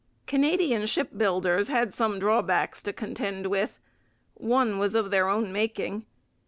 Canadian shipbuilders had some drawbacks to contend with. One was of their own making.